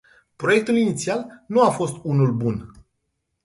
Proiectul inițial nu a fost unul bun.